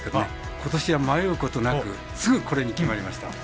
ことしは迷うことなくすぐこれに決まりました。